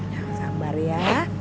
jangan sabar ya